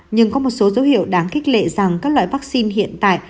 nhưng có một số dấu hiệu đáng khích lệ rằng các loại vaccine hiện tại